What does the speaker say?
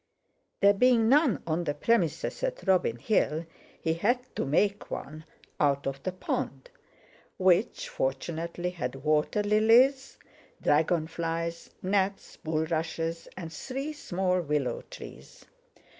There being none on the premises at Robin Hill, he had to make one out of the pond, which fortunately had water lilies, dragonflies, gnats, bullrushes, and three small willow trees.